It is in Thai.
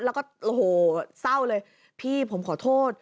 แล้วก็โอ้โหเศร้าเลยพี่ผมขอโทษ